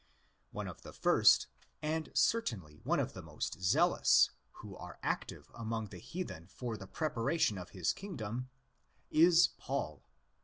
''One of the first, and certainly one of the most zealous, who are active among the heathen for the preparation of his kingdom, is Paul.